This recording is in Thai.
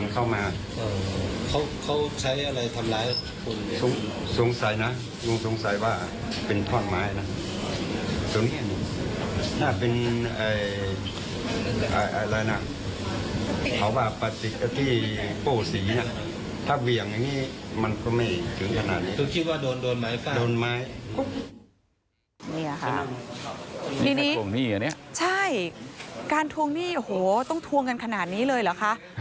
นี่ค่ะการทวงหนี้โอ้โหต้องทวงกันขนาดนี้เลยเหรอคะ